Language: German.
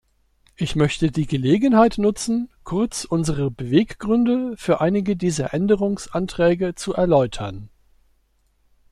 Ich möchte die Gelegenheit nutzen, kurz unsere Beweggründe für einige dieser Änderungsanträge zu erläutern.